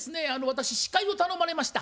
私司会を頼まれました。